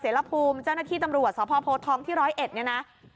รภูมิเจ้าหน้าที่ตำรวจสพโพทองที่๑๐๑เนี่ยนะ